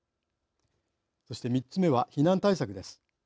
そして３つ目は避難対策です。